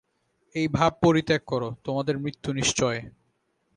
এই ভাব পরিত্যাগ কর, তোমাদের মৃত্যু নিশ্চয়।